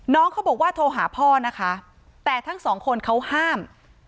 น้องเขาบอกว่าโทรหาพ่อนะคะแต่ทั้งสองคนเขาห้าม